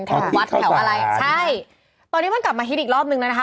แถววัดแถวอะไรใช่ตอนนี้มันกลับมาฮิตอีกรอบหนึ่งนะฮะ